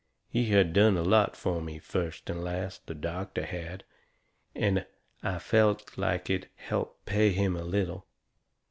He had done a lot fur me, first and last, the doctor had, and I felt like it helped pay him a little.